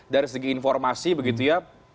dari segi informasi begitu ya